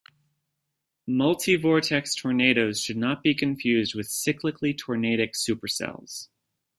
Multivortex tornadoes should not be confused with cyclically tornadic supercells.